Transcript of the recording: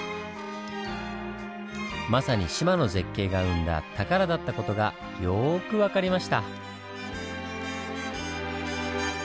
まさに志摩の絶景が生んだ宝だった事がよく分かりました。